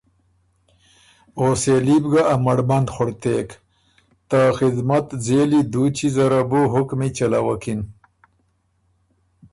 او سېلی بُو ګه ا مړمند خُړتېک ته خدمت ځېلی دُوچی زره بو حُکمی چَلَوکِن،